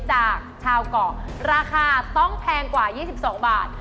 จากชาวเกาะราคาต้องแพงกว่า๒๒บาท